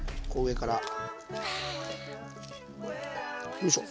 よいしょ。